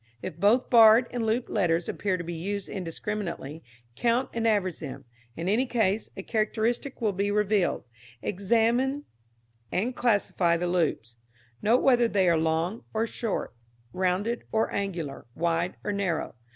If both barred and looped letters appear to be used indiscriminately, count and average them. In any case, a characteristic will be revealed. Examine and classify the loops. Note whether they are long or short, rounded or angular, wide or narrow.